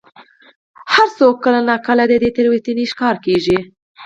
هر څوک کله نا کله د دې تېروتنې ښکار کېږي.